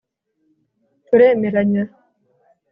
Turemeranya